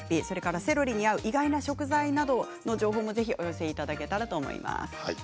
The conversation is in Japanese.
それから、セロリに合う意外な食材などの情報もぜひ、お寄せいただけたらと思います。